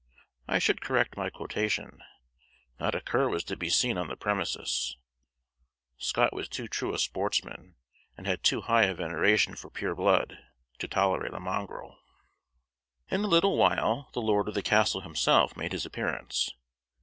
I should correct my quotation; not a cur was to be seen on the premises: Scott was too true a sportsman, and had too high a veneration for pure blood, to tolerate a mongrel. In a little while the "lord of the castle" himself made his appearance.